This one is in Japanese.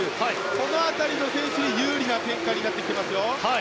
この辺りの選手に有利な展開になってきていますよ。